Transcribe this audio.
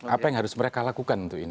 apa yang harus mereka lakukan untuk ini